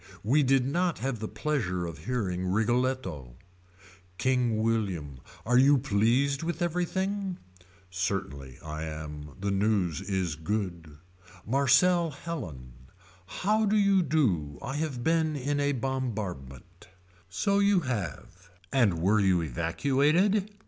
We did not have the pleasure of hearing Rigoletto. William King. Are you pleased with everything. Certainly I am the news is good. Marcelle Helen. How do you do I have been in a bombardment. So you have. And were you evacuated.